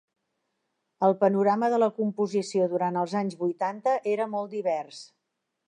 El panorama de la composició durant els anys vuitanta era molt divers.